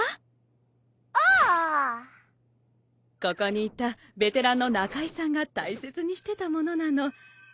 ここにいたベテランの仲居さんが大切にしてたものなの。